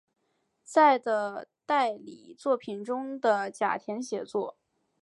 在的代理作品中的甲田写作。